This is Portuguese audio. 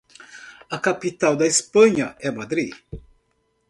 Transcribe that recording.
A capital da Espanha é Madri.